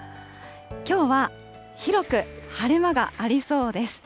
きょうは広く晴れ間がありそうです。